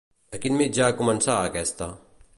A quin mitjà començarà aquesta?